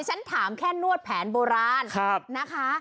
ฉันจะถามแค่นวดแผ่นโบราณ